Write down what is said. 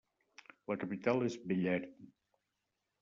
La capital és Bellary.